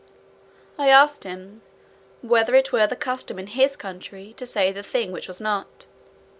I asked him, "whether it were the custom in his country to say the thing which was not?"